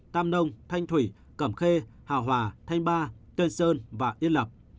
tàm nông thanh thủy cẩm khê hào hòa thanh ba tên sơn và yên lập